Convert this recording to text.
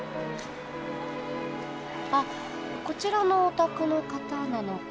あっこちらのお宅の方なのか。